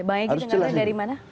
bang egy dengarnya dari mana